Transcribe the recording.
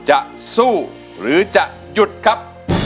อินโทรเพลงที่๒เลยครับ